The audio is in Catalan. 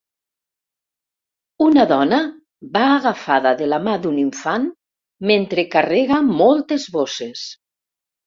Una dona va agafada de la mà d'un infant mentre carrega moltes bosses.